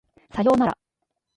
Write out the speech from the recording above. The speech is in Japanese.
左様なら